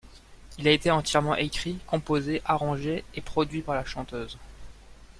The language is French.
Il a été entièrement écrit, composé, arrangé et produit par la chanteuse.